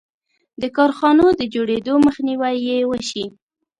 د کارخانو د جوړېدو مخنیوی یې وشي.